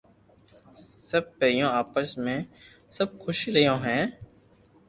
سب ڀينو آپس ميو سب خوݾ رھي ھي